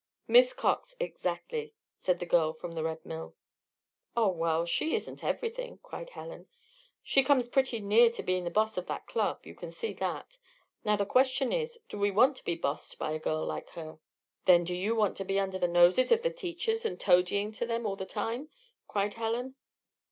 "Miss Cox exactly," said the girl from the Red Mill. "Oh well she isn't everything," cried Helen. "She comes pretty near being the boss of that club you can see that. Now, the question is, do we want to be bossed by a girl like her?" "Then, do you want to be under the noses of the teachers, and toadying to them all the time?" cried Helen.